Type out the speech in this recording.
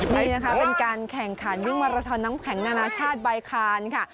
นี่นะคะเป็นการแข่งขันวิ่งมาราทอนน้ำแข็งนานาชาติใบคานค่ะ